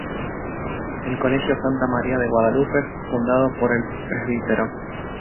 El Colegio Santa María de Guadalupe fundado por el Pbro.